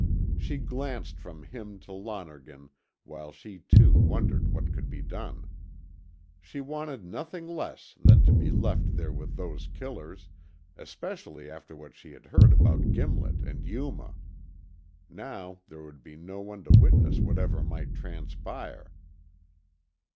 She glanced from him to Lonergan while she too wondered what could be done. She wanted nothing less than to be left there with those killers, especially after what she had heard about Gimlet and Yuma. Now there would be no one to witness whatever might transpire.